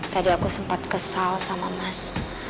tadi aku sempat kesal sama mas